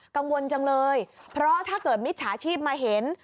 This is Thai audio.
กังวลจังเลยเพราะถ้าเกิดมิจฉาชีพมาเห็น